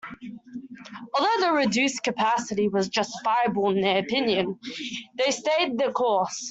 Although the reduced capacity was justifiable in their opinion, they stayed the course.